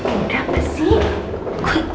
udah apa sih